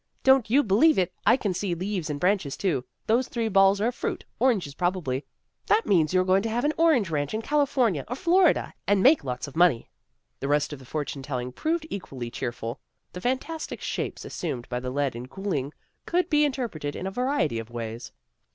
" Don't you believe it. I can see leaves and branches, too. Those three balls are fruit; oranges probably. That means you're going to have an orange ranch in California or Florida, and make lots of money." The rest of the fortune telling proved equally cheerful. The fantastic shapes assumed by the lead in cooling could be interpreted in a variety of ways.